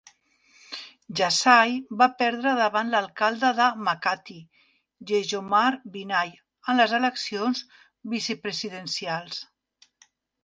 Yasay va perdre davant l'alcalde de Makati, Jejomar Binay, en les eleccions vicepresidencials.